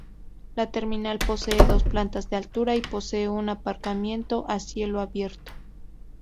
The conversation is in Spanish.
La terminal posee dos plantas de altura y posee un aparcamiento a cielo abierto.